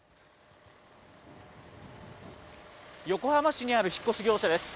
横浜市にある引っ越し業者です。